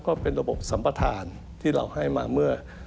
ก็เป็นระบบสัมประธานที่เราให้มาเมื่อ